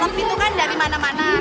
kopi itu kan dari mana mana